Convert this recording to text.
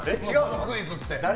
クイズって。